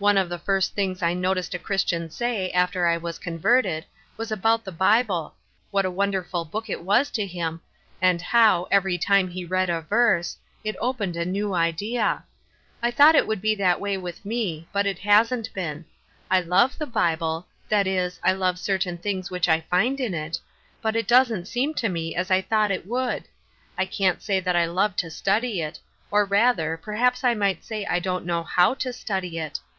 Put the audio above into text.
One of the first things I noticed a Chris tian say, after I was converted, was about the Bible — what a wonderful book it was to him, and how, every time he read a verse, it opened a new idea. I thought it would be that way mth me ; but it hasn't been. I love the Bible ; that is, I love certain things which I find in it ; but it doesn't seem to me as I thought it would. I can't say that I love to study it ; or, rather, per haps I might say I don't know how to study it.